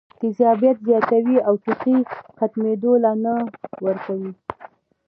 تېزابيت زياتوي او ټوخی ختمېدو له نۀ ورکوي